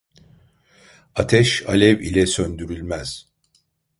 Ateş alev ile söndürülmez.